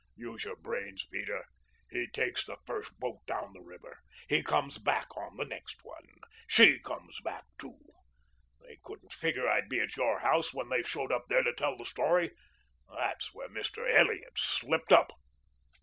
Use your brains, Peter. He takes the first boat down the river. He comes back on the next one. She comes back, too. They couldn't figure I'd be at your house when they showed up there to tell the story. That's where Mr. Elliot slipped up."